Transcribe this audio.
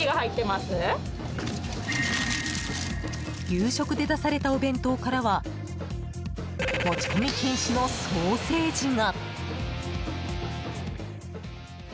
夕食で出されたお弁当からは持ち込み禁止のソーセージが。